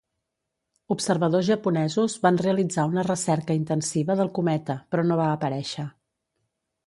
Observadors japonesos van realitzar una recerca intensiva del cometa, però no va aparèixer.